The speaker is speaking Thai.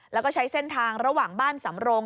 แล้วก็ใช้เส้นทางระหว่างบ้านสำรง